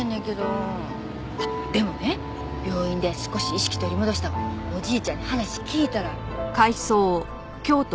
あっでもね病院で少し意識取り戻したおじいちゃんに話聞いたら。